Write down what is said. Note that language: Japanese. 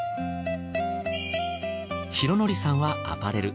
寛紀さんはアパレル。